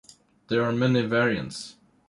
There are many variants.